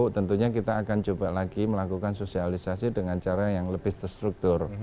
tentunya kita akan coba lagi melakukan sosialisasi dengan cara yang lebih terstruktur